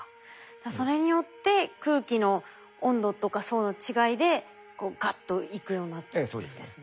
それによって空気の温度とか層の違いでこうガッといくようになるんですね。